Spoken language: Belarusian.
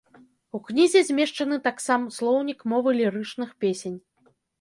У кнізе змешчаны таксам слоўнік мовы лірычных песень.